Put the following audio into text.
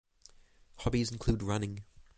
Hobbies include running.